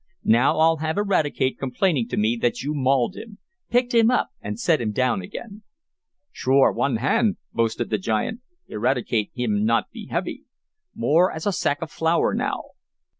"Now I'll have Eradicate complaining to me that you mauled him. Picked him up and set him down again." "Sure. One hand!" boasted the giant. "Eradicate him not be heavy. More as a sack of flour now."